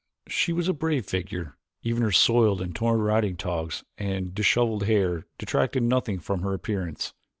She was a brave figure; even her soiled and torn riding togs and disheveled hair detracted nothing from her appearance.